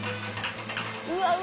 うわうわ！